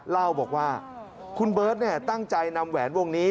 เล่าบอกว่าคุณเบิร์ตตั้งใจนำแหวนวงนี้